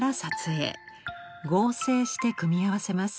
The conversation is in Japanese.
合成して組み合わせます。